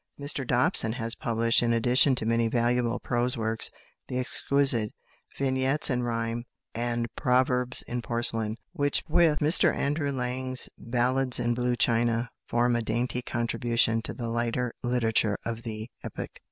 Mr Dobson has published, in addition to many valuable prose works, the exquisite "Vignettes in Rhyme" and "Proverbs in Porcelain," which, with Mr Andrew Lang's "Ballades in Blue China," form a dainty contribution to the lighter literature of the epoch.